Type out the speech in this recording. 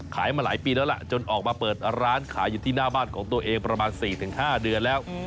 มาหลายปีแล้วล่ะจนออกมาเปิดร้านขายอยู่ที่หน้าบ้านของตัวเองประมาณ๔๕เดือนแล้ว